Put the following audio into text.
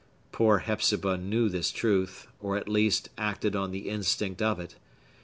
Poor Hepzibah knew this truth, or, at least, acted on the instinct of it.